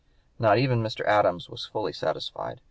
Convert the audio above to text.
Not even Mr. Adams was fully satisfied.